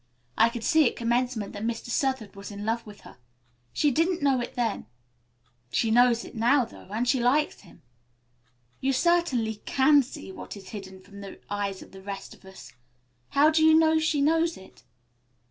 I could see at commencement that Mr. Southard was in love with her. She didn't know it then. She knows it now though, and she likes him." "You certainly can see what is hidden from the eyes of the rest of us. How do you know she knows it?"